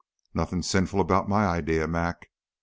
"Nothing sinful about my idea, Mac.